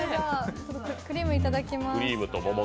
クリームいただきます。